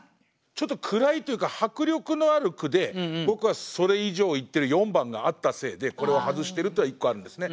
ちょっと暗いというか迫力のある句で僕はそれ以上をいってる４番があったせいでこれを外してるっていうのが一個あるんですね。